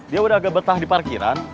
dia udah agak betah di parkiran